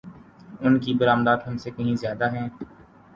ان کی برآمدات ہم سے کہیں زیادہ ہیں۔